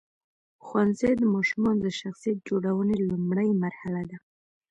ښوونځی د ماشومانو د شخصیت جوړونې لومړۍ مرحله ده.